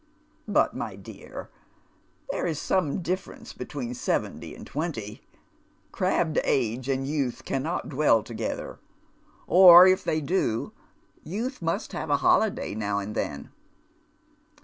" But, my dear, there is some diiference between seventy and hventy. Crabbed age and youth cannot dwell together ; or if they do, youth must have a holiday now and tiien."